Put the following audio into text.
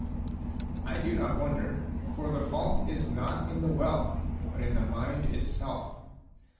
I do not wonder. For the fault is not in the wealth, but in the mind itself.